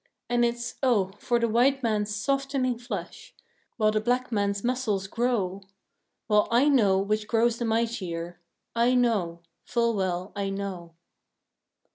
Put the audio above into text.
And it's, oh, for the white man's softening flesh, While the black man's muscles grow! Well I know which grows the mightier, I know; full well I know.